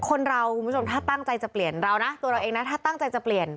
คนเราคุณผู้ชมถ้าตั้งใจจะเปลี่ยนเรานะตัวเราเองนะถ้าตั้งใจจะเปลี่ยน